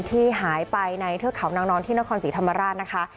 ที่หายไปในเทือกเขานางนอนที่นครศรีธรรมราชนะคะ